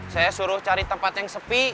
saya suruh cari tempat yang sepi